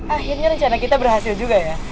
akhirnya rencana kita berhasil juga ya